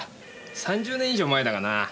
３０年以上前だがな。